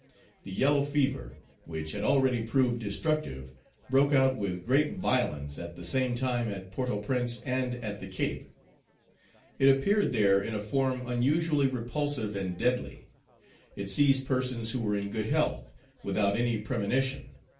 The yellow fever, which had already proved destructive, broke out with great violence at the same time at Port au Prince and at the Cape. It appeared there in a form unusually repulsive and deadly. It seized persons who were in good health, without any premonition.